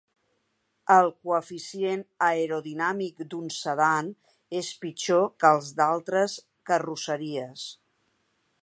El coeficient aerodinàmic d'un sedan és pitjor que el d'altres carrosseries.